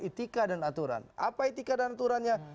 etika dan aturan apa etika dan aturannya